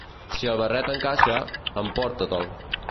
Si el barret encaixa, emportate"l.